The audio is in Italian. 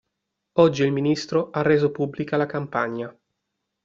Oggi il Ministro ha reso pubblica la campagna.